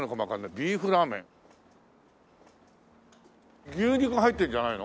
「ビーフラーメン」牛肉が入ってるんじゃないの？